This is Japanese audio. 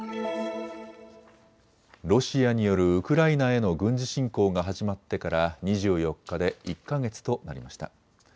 ロシアによるウクライナへの軍事侵攻が始まってから２４日で１か月となりました。